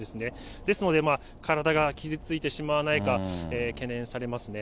ですので、体が傷ついてしまわないか懸念されますね。